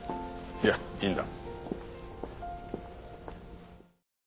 いやいいんだ。